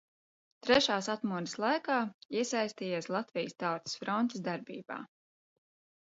Trešās atmodas laikā iesaistījies Latvijas Tautas frontes darbībā.